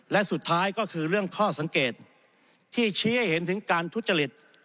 และสุดท้ายก็คือเรื่องข้อสังเกตที่ชี้ให้เห็นถึงการทุจริต